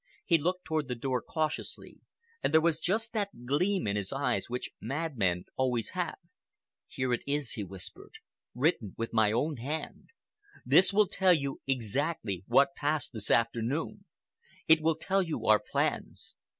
He looked toward the door cautiously, and there was just that gleam in his eyes which madmen always have. 'Here it is,' he whispered, 'written with my own hand. This will tell you exactly what passed this afternoon. It will tell you our plans.